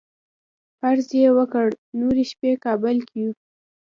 عرض یې وکړ نورې شپې کابل کې یو.